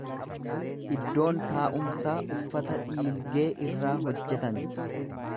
iddoon taa'umsaa uffata dhiilgee irraa hojjetame;